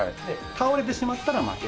倒れてしまったら負け。